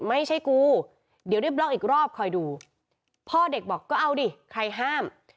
ไม่ใช่กูเดี๋ยวได้บล็อกอีกรอบคอยดูพ่อเด็กบอกก็เอาดิใครห้าม